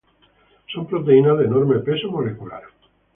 Son proteínas de enorme peso molecular.